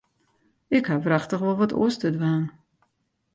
Ik haw wrachtich wol wat oars te dwaan.